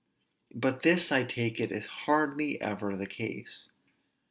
But this, I take it, is hardly ever the case.